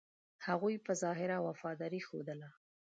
هغوی په ظاهره وفاداري ښودله.